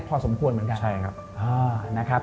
พอสมควรเหมือนกัน